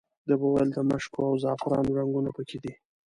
ده به ویل د مشکو او زعفرانو رنګونه په کې دي.